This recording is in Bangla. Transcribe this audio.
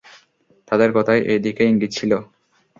তাদের কথায় এ দিকেই ইংগিত ছিল।